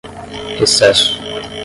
recesso